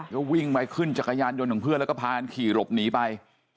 ก็วิ่งไปขึ้นจักรยานยนต์ของเพื่อนแล้วก็พากันขี่หลบหนีไป